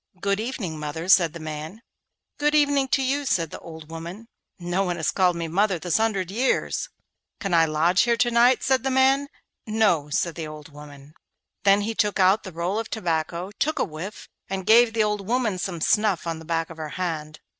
'Good evening, mother,' said the man. 'Good evening to you,' said the old woman. 'No one has ever called me mother this hundred years.' 'Can I lodge here to night?' said the man. 'No,' said the old woman. Then he took out the roll of tobacco, took a whiff, and gave the old woman some snuff on the back of her hand.